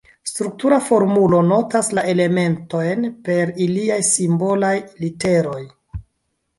Struktura formulo notas la elementojn per iliaj simbolaj literoj.